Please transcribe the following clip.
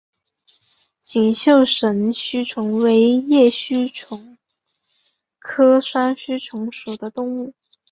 锦绣神须虫为叶须虫科双须虫属的动物。